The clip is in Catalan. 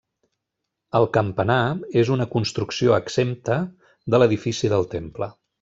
El campanar és una construcció exempta de l'edifici del temple.